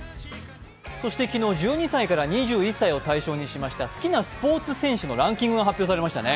昨日、１２歳から２１歳を対象にしました好きなスポーツ選手のランキングが発表されましたね。